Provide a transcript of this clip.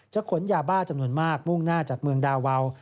ขนยาบ้าจำนวนมากมุ่งหน้าจากเมืองดาวาว